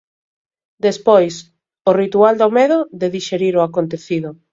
Despois, o ritual do medo, de dixerir o acontecido.